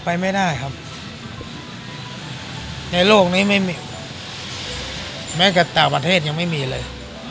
ไปไม่ได้ครับในโลกนี้ไม่มีแม้แต่ต่างประเทศยังไม่มีเลย